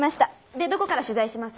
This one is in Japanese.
でどこから取材します？